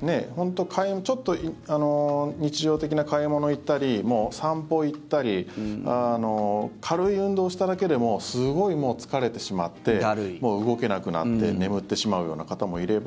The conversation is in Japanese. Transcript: ちょっと日常的な買い物行ったり散歩行ったり軽い運動しただけでもすごい疲れてしまってもう動けなくなって眠ってしまうような方もいれば。